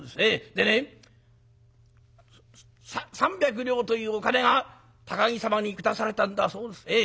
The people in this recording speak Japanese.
でね三百両というお金が高木様に下されたんだそうです。